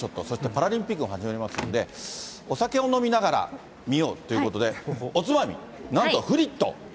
そしてパラリンピックも始まりますので、お酒を飲みながら見ようということで、おつまみ、なんとフリット！